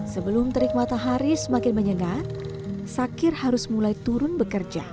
sebelum terik matahari semakin menyengat sakir harus mulai turun bekerja